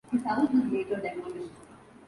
His house was later demolished.